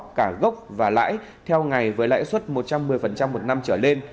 trần văn dương sẽ trả lãi theo ngày với lãi suất một trăm một mươi một năm trở lên